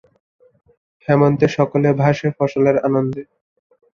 হেমন্তে সকলে ভাসে ফসলের আনন্দে।